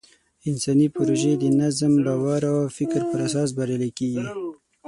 انساني پروژې د نظم، باور او فکر په اساس بریالۍ کېږي.